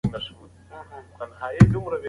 که روغتیا وي نو ژوند ښکلی وي.